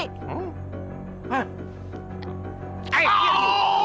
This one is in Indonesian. biar aku pergi